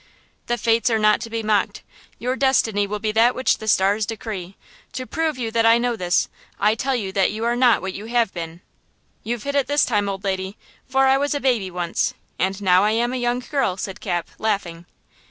"The fates are not to be mocked. Your destiny will be that which the stars decree. To prove to you that I know this, I tell you that you are not what you have been!" "You've hit it this time, old lady, for I was a baby once and now I am a young girl!" said Cap, laughing.